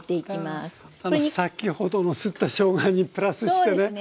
先ほどのすったしょうがにプラスしてね。